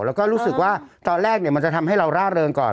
แล้วก็รู้สึกว่าตอนแรกมันจะทำให้เราร่าเริงก่อน